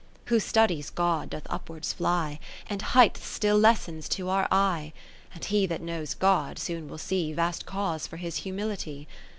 XVIII Who studies God doth upwards fly, And heighth still lessens to our eye ; And he that knows God, soon will see 71 Vast cause for his humility.